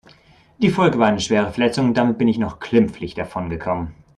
Die Folge war eine schwere Verletzung und damit bin ich noch glimpflich davon gekommen.